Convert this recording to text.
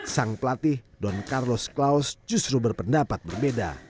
sang pelatih don carlos klaus justru berpendapat berbeda